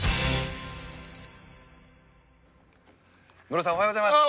ムロさんおはようございます。